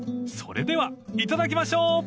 ［それでは頂きましょう］